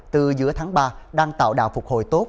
từ giữa tháng ba đang tạo đà phục hồi tốt